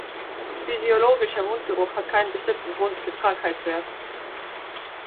Physiologischer Mundgeruch hat keinen bestimmten Grund mit Krankheitswert.